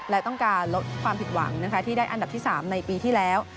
และต้องการลดความผิดหวังที่ได้อันดับที่๓ในปีที่แล้ว